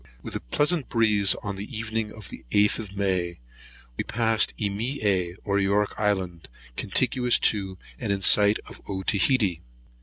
WITH a pleasant breeze, on the evening of the 8th of May, passed Emea or York Island, contiguous to, and in sight of Otaheite.